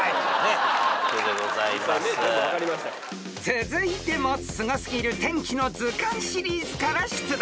［続いても『すごすぎる天気の図鑑』シリーズから出題。